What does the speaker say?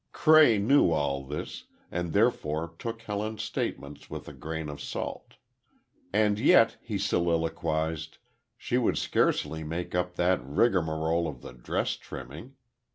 Cray knew all this, and therefore took Helen's statements with a grain of salt. And yet, he soliloquized, she would scarcely make up that rigmarole of the dress trimming.